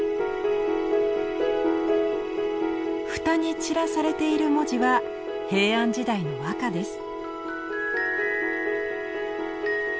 蓋に散らされている文字は平安時代の和歌です。